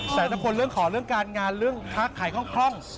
แต่ละคนเรื่องขอเรื่องการงานเรื่องค้าขายคล่อง